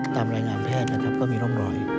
ตามรายงานแพทย์นะครับก็มีร่องรอย